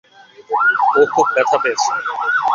ও খুব ব্যথা পেয়েছে।